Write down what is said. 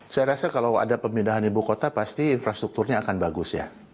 saya rasa kalau ada pemindahan ibu kota pasti infrastrukturnya akan bagus ya